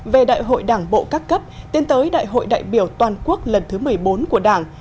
về đại hội đảng bộ các cấp tiến tới đại hội đại biểu toàn quốc lần thứ một mươi bốn của đảng